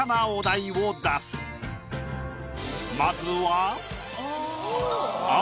まずは。